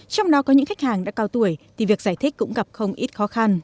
trong đó có những khách hàng đã cao tuổi thì việc giải thích cũng gặp không ít khó khăn